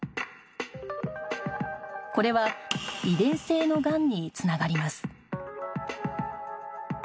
これは遺伝性のがんに繋がります